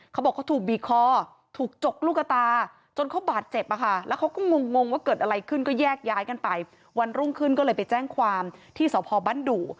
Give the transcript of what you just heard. เขาบอกเขาถูกบีบคอถูกจกลูกตาจนเขาบาดเจ็บอะค่ะแล้วเขาก็งงว่าเกิดอะไรขึ้นก็แยกย้ายกันไปวันรุ่งขึ้นก็เลยไปแจ้งความที่สพบั้นดู